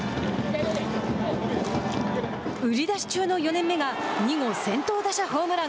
売り出し中の４年目が２号先頭打者ホームラン。